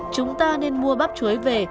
chúng ta nên mua bắp chuối về